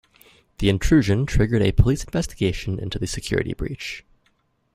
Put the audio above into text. The intrusion triggered a police investigation into the security breach.